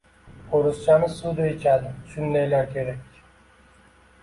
— O’rischani suvday ichadi? Shundaylar kerak.